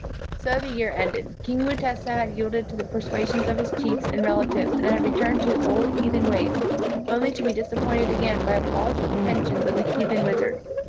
So the year ended. King Mutesa had yielded to the persuasions of his chiefs and relatives and had returned to his old heathen ways only to be disappointed again by the false pretensions of the heathen wizard.